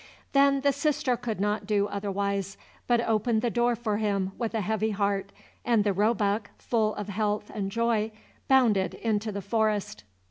Then the sister could not do otherwise, but opened the door for him with a heavy heart, and the roebuck, full of health and joy, bounded into the forest.